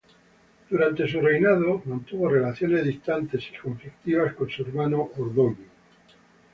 Durante su reinado mantuvo relaciones distantes y conflictivas con su hermano Ordoño.